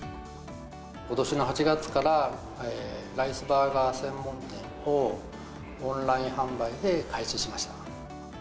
ことしの８月から、ライスバーガー専門店をオンライン販売で開始しました。